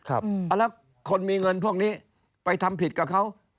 แล้วคนมีเงินพวกนี้ไปทำผิดกับเขา